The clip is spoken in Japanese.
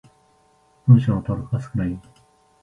文章の登録が少ないよ。